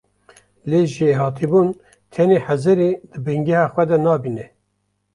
Lê jêhatîbûn tenê hizirê di bingeha xwe de nabîne.